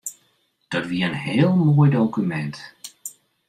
Dat wie in heel moai dokumint.